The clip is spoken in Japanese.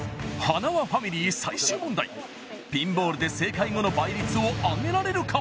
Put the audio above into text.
はなわファミリー最終問題ピンボールで正解後の倍率を上げられるか？